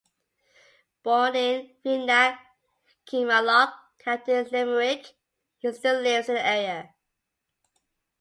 Born in Feenagh, Kilmallock, County Limerick, he still lives in the area.